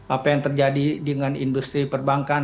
apa yang terjadi dengan industri perbankan